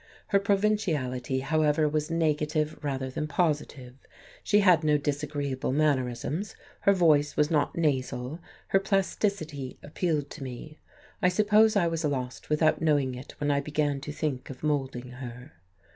Her provinciality, however, was negative rather than positive, she had no disagreeable mannerisms, her voice was not nasal; her plasticity appealed to me. I suppose I was lost without knowing it when I began to think of moulding her.